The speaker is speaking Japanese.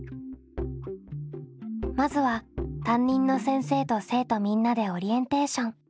まずは担任の先生と生徒みんなでオリエンテーション。